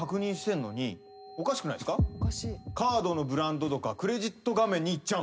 カードのブランドとかクレジット画面にいっちゃう。